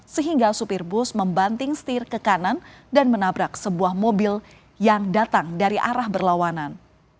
sehingga supir bus membanting setir ke kanan dan menabrak sebuah mobil yang datang dari arah berlawanan